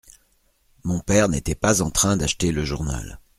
Mon père n’était pas en train d’acheter le journal.